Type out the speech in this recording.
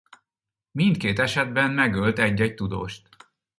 Mindkét esetben megölt egy-egy tudóst.